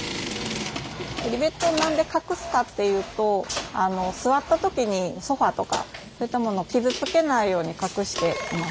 リベットを何で隠すかっていうと座った時にソファーとかそういったものを傷つけないように隠しています。